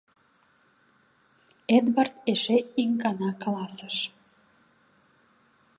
— Эдвард эше ик гана каласыш.